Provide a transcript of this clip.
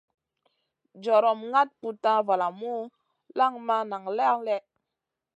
Jorom ŋaɗ putna valamu lanŋ man lèh.